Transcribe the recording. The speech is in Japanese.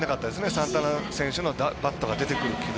サンタナ選手のバットが出てくる軌道。